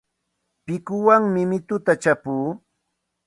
Pikuwanmi mituta chapuu.